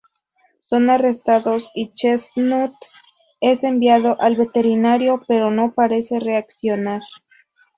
Son arrestados y Chestnut es enviado al veterinario, pero no parece reaccionar.